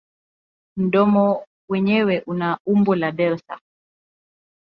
Mdomo wenyewe una umbo la delta.